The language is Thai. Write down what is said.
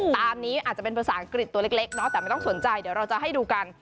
ตามนี้อาจจะเป็นภาษาอังกฤษตัวเล็กเนาะแต่ไม่ต้องสนใจเดี๋ยวเราจะให้ดูกัน